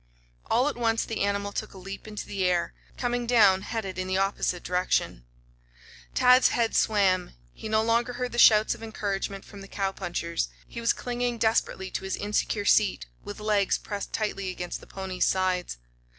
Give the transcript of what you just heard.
All at once the animal took a leap into the air, coming down headed in the opposite direction. Tad's head swam. He no longer heard the shouts of encouragement from the cowpunchers. He was clinging desperately to his insecure seat, with legs pressed tightly against the pony's sides.